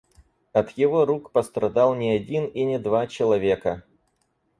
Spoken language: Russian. От его рук пострадал не один и не два человека.